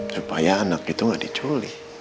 supaya anak itu gak diculi